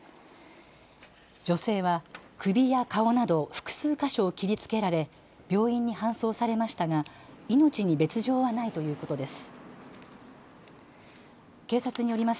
女性は首や顔など複数か所を切りつけられ病院に搬送されましたが命に別状はないということです。